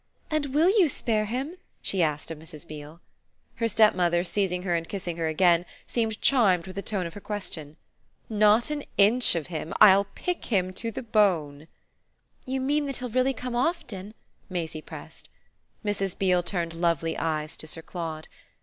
"And WILL you spare him?" she asked of Mrs. Beale. Her stepmother, seizing her and kissing her again, seemed charmed with the tone of her question. "Not an inch of him! I'll pick him to the bone!" "You mean that he'll really come often?" Maisie pressed. Mrs. Beale turned lovely eyes to Sir Claude.